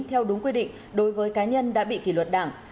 theo đúng quy định đối với cá nhân đã bị kỷ luật đảng